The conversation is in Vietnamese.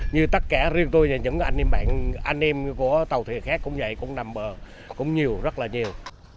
như tất cả riêng tôi và những anh em của tàu thuyền khác cũng vậy cũng nằm bờ cũng nhiều rất là nhiều